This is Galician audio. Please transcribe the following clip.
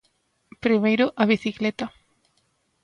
Primeiro a bicicleta.